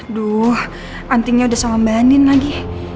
aduh antingnya udah sama mbak anin lagi